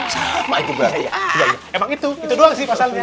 šahit emang itu itu doang sih vastanya